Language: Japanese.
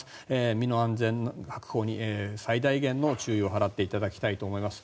身の安全の確保に最大限の注意を払っていただきたいと思います。